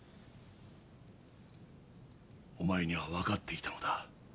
お前には分かっていたのだ。